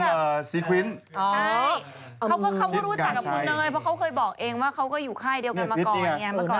ใช่เขาก็รู้จักกับคุณเนยเพราะเขาเคยบอกเองว่าเขาก็อยู่ค่ายเดียวกันมาก่อน